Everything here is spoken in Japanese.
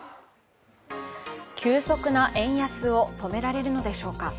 急速な円安を止められるのでしょうか。